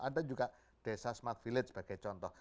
ada juga desa smart village sebagai contoh